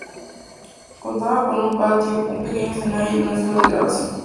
Contaba con un patio, un pequeño escenario y una sala de grabación.